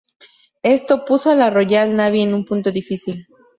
Esto, puso a la Royal Navy en un punto difícil.